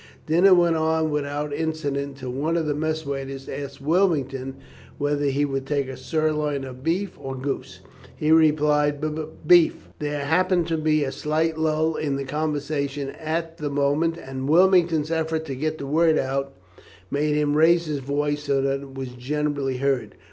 Dinner went on without incident until one of the mess waiters asked Wilmington whether he would take sirloin of beef or goose. He replied, "B b b b beef." There happened to be a slight lull in the conversation at the moment, and Wilmington's effort to get the word out made him raise his voice so that it was generally heard.